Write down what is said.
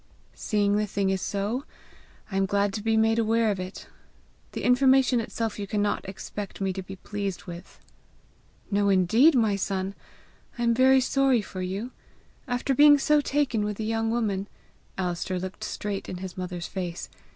"Seeing the thing is so, I am glad to be made aware of it. The information itself you cannot expect me to be pleased with!" "No, indeed, my son! I am very sorry for you. After being so taken with the young woman, " Alister looked straight in his mother's face.